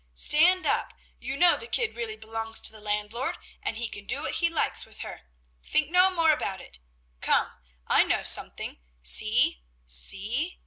"Stand up, you know the kid really belongs to the landlord and he can do what he likes with her. Think no more about it! Come, I know something. See! See!"